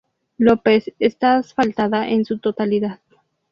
López está asfaltada en su totalidad.